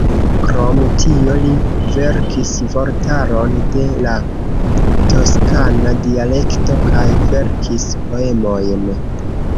Krom tio, li verkis vortaron de la toskana dialekto kaj verkis poemojn.